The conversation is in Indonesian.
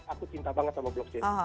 aku cinta banget sama blockchain